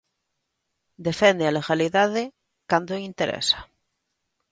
Defende a legalidade cando interesa.